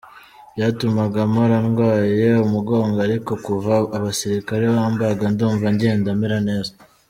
Byatumaga mpora ndwaye umugongo ariko kuva abasirikare bambaga ndumva ngenda mera neza”.